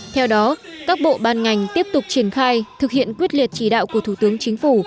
theo đó các bộ ban ngành tiếp tục triển khai thực hiện quyết liệt chỉ đạo của thủ tướng chính phủ